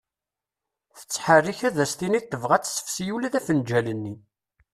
Tetherrik ad as-tiniḍ tebɣa ad tessefsi ula d afenǧal-nni.